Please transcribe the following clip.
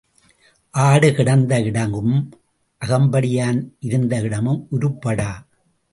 ஆடு கிடந்த இடமும் அகம்படியான் இருந்த இடமும் உருப்படா.